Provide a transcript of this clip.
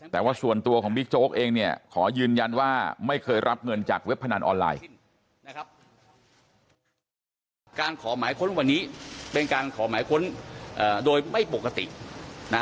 แต่ว่าส่วนตัวของบิ๊กโจ๊กเองเนี่ยขอยืนยันว่าไม่เคยรับเงินจากเว็บพนันออนไลน์